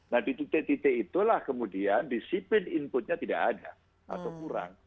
nah di titik titik itulah kemudian disiplin inputnya tidak ada atau kurang